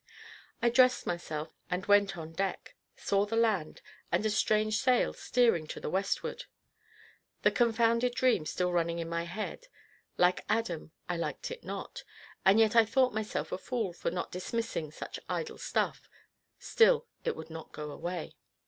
I dressed myself, and went on deck, saw the land, and a strange sail steering to the westward. The confounded dream still running in my head like Adam, I "liked it not," and yet I thought myself a fool for not dismissing such idle stuff; still it would not go away.